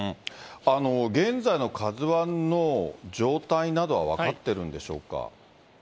現在のＫＡＺＵＩの状態などは分かってるんでしょうか。